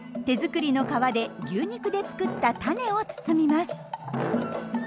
手作りの皮で牛肉で作った種を包みます。